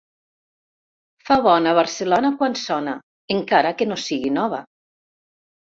Fa bona Barcelona quan sona, encara que no sigui nova.